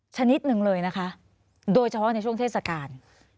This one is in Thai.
ชนิดหนึ่งเลยนะคะโดยเฉพาะในช่วงเทศกาล